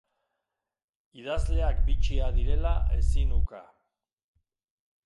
Idazleak bitxiak direla ezin uka.